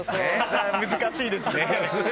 難しいですね。